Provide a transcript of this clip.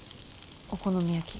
お好み焼き。